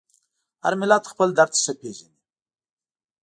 هر ملت خپل درد ښه پېژني.